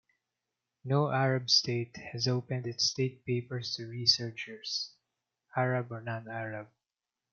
No Arab state has opened its state papers to researchers, Arab or non-Arab.